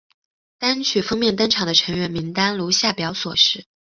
单曲封面登场的成员名单如下表所示。